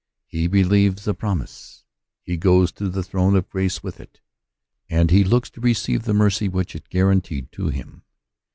He believes the promise, he goes to the throne of grace with it, and he looks to receive the mercy which it guaranteed to him.